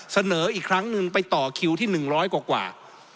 เสนออีกครั้งหนึ่งไปต่อคิวที่๑๐๐กว่า